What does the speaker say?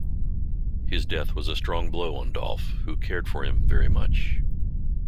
His death was a strong blow on Dolf, who cared for him very much.